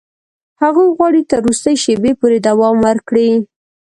هغوی غواړي تر وروستي شېبې پورې دوام ورکړي.